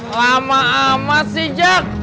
lama amat si jak